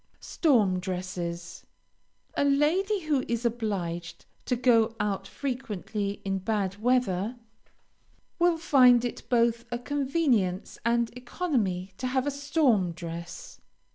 STORM DRESSES A lady who is obliged to go out frequently in bad weather, will find it both a convenience and economy to have a storm dress.